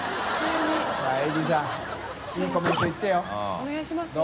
お願いしますよ。